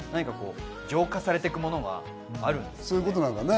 浄化されていくものがあるんですかね。